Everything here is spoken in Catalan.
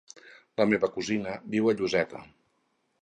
La meva cosina viu a Lloseta.